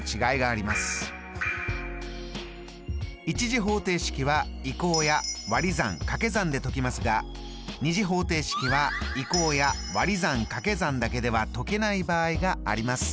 １次方程式は移項やわり算かけ算で解きますが２次方程式は移項やわり算かけ算だけでは解けない場合があります。